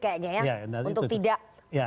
kayaknya ya untuk tidak